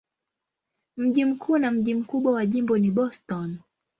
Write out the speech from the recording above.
Mji mkuu na mji mkubwa wa jimbo ni Boston.